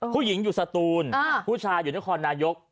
ผู้หญิงอยู่สตูนผู้ชายอยู่นครนายก